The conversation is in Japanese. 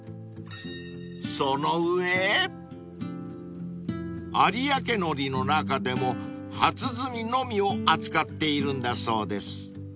［その上有明海苔の中でも初摘みのみを扱っているんだそうです］